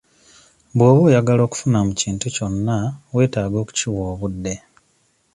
Bw'oba oyagala okufuna mu kintu kyonna weetaaga okukiwa obudde.